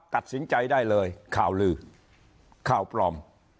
ตัดสินใจได้เลยข่าวลือข่าวปลอม